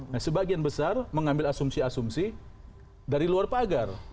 nah sebagian besar mengambil asumsi asumsi dari luar pagar